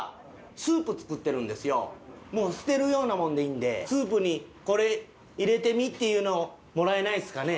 もう捨てるようなものでいいんでスープにこれ入れてみっていうのをもらえないですかね？